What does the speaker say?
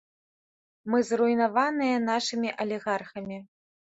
Мы зруйнаваныя нашымі алігархамі.